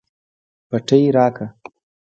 پټۍ راکړه